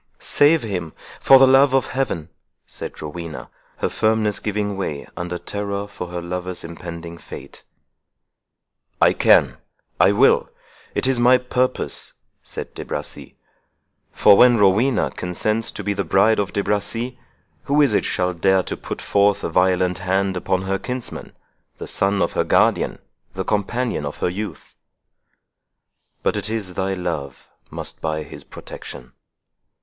"Save him, for the love of Heaven!" said Rowena, her firmness giving way under terror for her lover's impending fate. "I can—I will—it is my purpose," said De Bracy; "for, when Rowena consents to be the bride of De Bracy, who is it shall dare to put forth a violent hand upon her kinsman—the son of her guardian—the companion of her youth? But it is thy love must buy his protection.